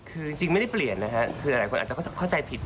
คือจริงไม่ได้เปลี่ยนนะฮะคือหลายคนอาจจะเข้าใจผิด